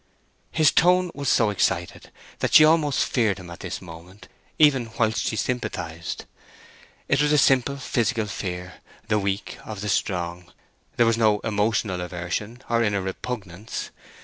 His tone was so excited that she almost feared him at this moment, even whilst she sympathized. It was a simple physical fear—the weak of the strong; there was no emotional aversion or inner repugnance.